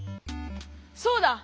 そうだ！